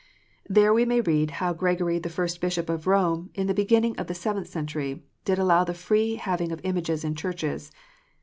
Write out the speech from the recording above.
There we may read how Gregory the First, Bishop of Eome, in the beginning of the seventh century, did allow the free having of images in churches.